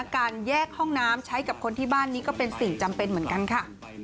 การแยกห้องน้ำใช้กับคนที่บ้านนี้ก็เป็นสิ่งจำเป็นเหมือนกันค่ะ